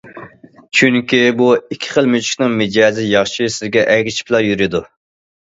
چۈنكى بۇ ئىككى خىل مۈشۈكنىڭ مىجەزى ياخشى، سىزگە ئەگىشىپلا يۈرىدۇ.